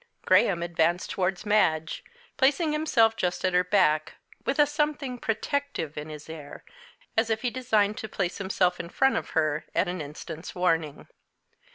Graham advanced towards Madge, placing himself just at her back, with a something protective in his air as if he designed to place himself in front of her at an instant's warning.